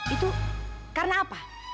itu karena apa